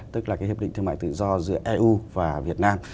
tức là cái hiệp định thương mại tự do giữa eu và việt nam